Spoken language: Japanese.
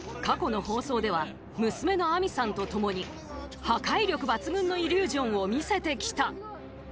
過去の放送では娘の愛美さんと共に破壊力抜群のイリュージョンを見せてきた。